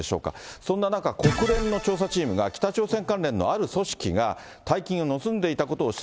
そんな中、国連の調査チームが北朝鮮関連のある組織が大金を盗んでいたことを指摘。